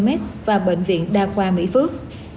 bệnh viện bkms và bệnh viện đa khoa mỹ phước